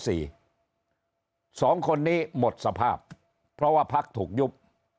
สองคนนี้หมดสภาพเพราะว่าพักถูกยุบ